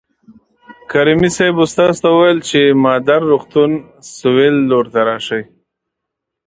کریمي صیب استاد ته وویل چې مادر روغتون سویل لور ته راشئ.